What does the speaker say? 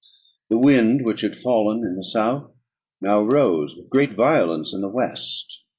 The wind, which had fallen in the south, now rose with great violence in the west.